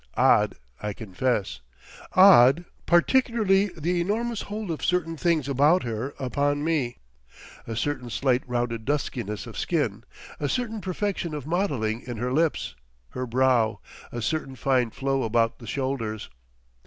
Odd, I confess. Odd, particularly, the enormous hold of certain things about her upon me, a certain slight rounded duskiness of skin, a certain perfection of modelling in her lips, her brow, a certain fine flow about the shoulders.